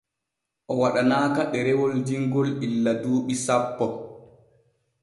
O waɗanaaka ɗerewol dimgil illa duuɓi sappo.